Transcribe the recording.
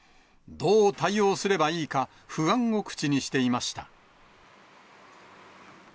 どう対応すればいいか、不安を口にしていました。